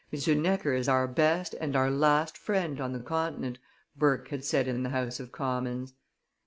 "M. Necker is our best and our last friend on the Continent," Burke had said in the House of Commons.